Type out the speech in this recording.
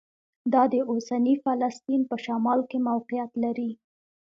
دا د اوسني فلسطین په شمال کې موقعیت لري.